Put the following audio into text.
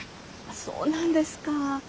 そうなんですか。